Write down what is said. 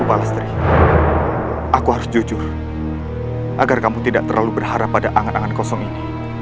balestri aku harus jujur agar kamu tidak terlalu berharap pada angan angan kosong ini